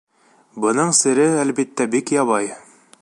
Бының сере, әлбиттә, бик ябай.